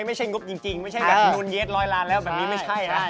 ไม่ใช่งบจริงไม่ใช่แบบมูลเย็ดร้อยล้านแล้วแบบนี้ไม่ใช่นะ